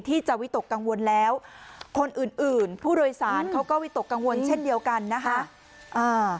ที่จะวิตกกังวลแล้วคนอื่นอื่นผู้โดยสารเขาก็วิตกกังวลเช่นเดียวกันนะคะ